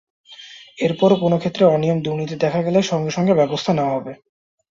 এরপরও কোনো ক্ষেত্রে অনিয়ম-দুর্নীতি দেখা গেলে সঙ্গে সঙ্গে ব্যবস্থা নেওয়া হবে।